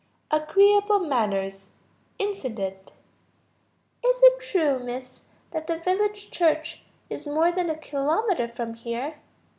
Agreeable manners. Incident. "Is it true, Miss, that the village church is more than a kilometer from here?